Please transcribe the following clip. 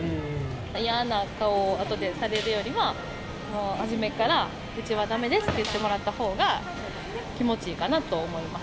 嫌な顔をあとでされるよりは、もう、初めから、うちはだめですって言ってもらったほうが気持ちいいかなと思います。